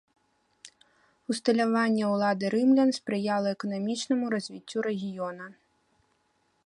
Усталяванне ўлады рымлян спрыяла эканамічнаму развіццю рэгіёна.